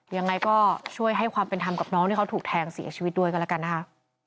ยังไงก็ช่วยให้ความเป็นธรรมกับน้องที่เขาถูกแทงเสียชีวิตด้วยกันแล้วกันนะคะ